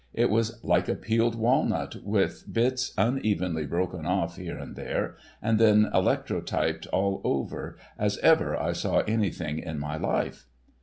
It was as like a peeled walnut with bits unevenly broken off here and there, and then electrotyped all over, as ever I saw anything in my life.